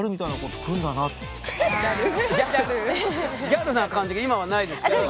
ギャルな感じが今はないですけど。